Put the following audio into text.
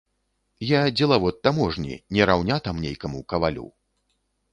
Я дзелавод таможні, не раўня там нейкаму кавалю.